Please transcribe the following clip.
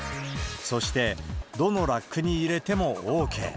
そして、どのラックに入れてもＯＫ。